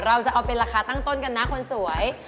เราจะเอาเป็นราคาตั้งต้นกันนะคนสวย